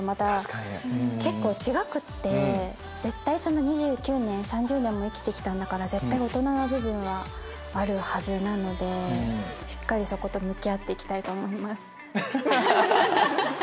絶対２９年３０年も生きて来たんだから絶対オトナな部分はあるはずなのでしっかりそこと向き合って行きたいと思います。